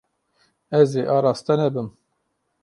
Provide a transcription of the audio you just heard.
Ez ê araste nebim.